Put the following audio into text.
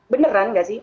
beneran gak sih